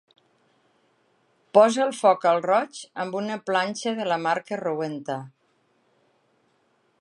Posa el foc al roig amb una planxa de la marca Rowenta.